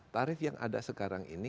tarif yang ada sekarang ini